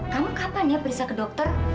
kamu kapan ya berisah ke dokter